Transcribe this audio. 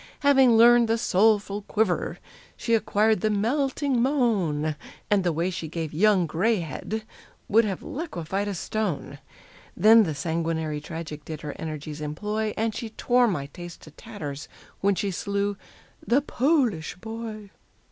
Having learned the Soulful Quiver, she acquired the Melting Mo o an, And the way she gave "Young Grayhead" would have liquefied a stone; Then the Sanguinary Tragic did her energies employ, And she tore my taste to tatters when she slew "The Polish Boy."